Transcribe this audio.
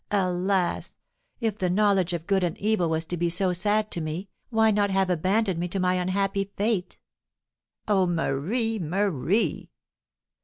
Alas! if the knowledge of good and evil was to be so sad to me, why not have abandoned me to my unhappy fate?" "Oh, Marie, Marie!"